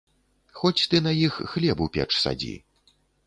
Хоць ты на іх хлеб у печ садзі.